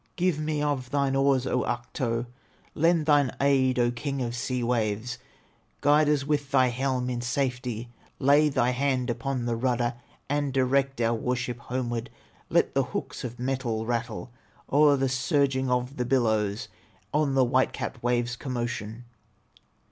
Give me of thine oars, O Ahto, Lend thine aid, O King of sea waves, Guide as with thy helm in safety, Lay thy hand upon the rudder, And direct our war ship homeward; Let the hooks of metal rattle O'er the surging of the billows, On the white capped waves' commotion."